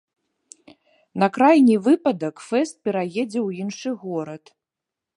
На крайні выпадак фэст пераедзе ў іншы горад.